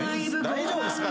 大丈夫っすか？